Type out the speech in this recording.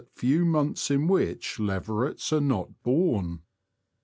73 few months in which leverets are not born.